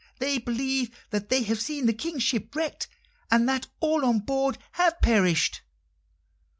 They believe that they have seen the King's ship wrecked, and that all on board have perished."